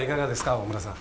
大村さん。